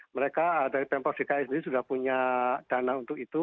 mereka dari pemprov dki sendiri sudah punya dana untuk itu